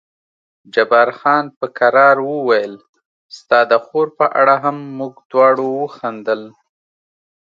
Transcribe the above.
جبار خان په کرار وویل ستا د خور په اړه هم، موږ دواړو وخندل.